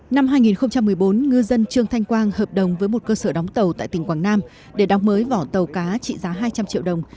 năm hai nghìn một mươi bốn ngư dân trương thanh quang hợp đồng với một cơ sở đóng tàu tại tỉnh quảng nam để đóng mới vỏ tàu cá trị giá hai trăm linh triệu đồng